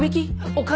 お金？